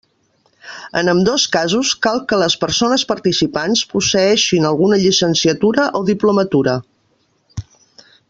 En ambdós casos cal que les persones participants posseeixin alguna llicenciatura o diplomatura.